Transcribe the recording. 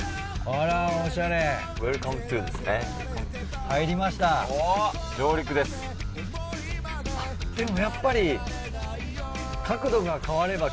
あっでもやっぱり。